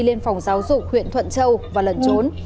lên phòng giáo dục huyện thuận châu và lẩn trốn